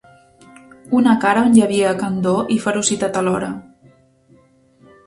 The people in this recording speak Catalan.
Una cara on hi havia candor i ferocitat alhora